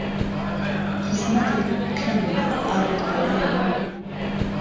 خزمهتت پکەم ئاوت بۆ بێنم